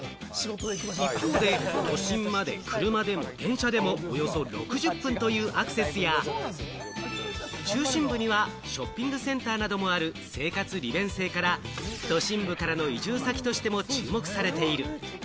一方で都心まで車でも、電車でもおよそ６０分というアクセスや中心部にはショッピングセンターなどもある、生活利便性から都心部からの移住先としても注目されている。